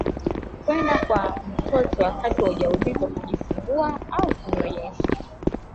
kwenda kwa mtoto wakati wa ujauzito kujifungua au kunyonyesha